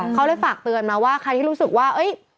เขาเลยฝากเตือนมาว่าใครที่รู้สึกว่า